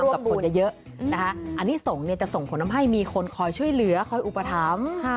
กับคนเยอะนะคะอันนี้ส่งเนี่ยจะส่งผลทำให้มีคนคอยช่วยเหลือคอยอุปถัมภ์